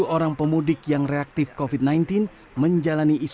tujuh orang pemudik yang menjelaskan